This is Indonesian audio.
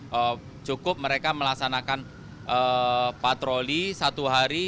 jadi cukup mereka melaksanakan patroli satu hari